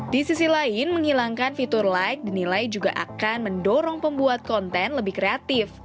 di sisi lain menghilangkan fitur like dinilai juga akan mendorong pembuat konten lebih kreatif